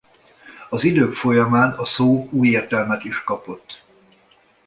Az idők folyamán a szó új értelmet is kapott.